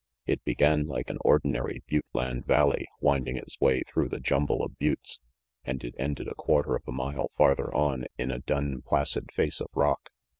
It began like an ordinary butte land valley winding its way through the jumble of buttes, and it ended a quarter of a mile farther on in a dun, placid face of rock.